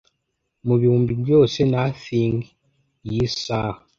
Mubihumbi byose nothings yisaha